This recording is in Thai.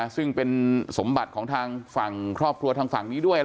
ซึ่งเป็นสมบัติของทางฝั่งครอบครัวทางฝั่งนี้ด้วย